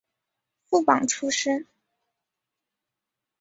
副榜出身。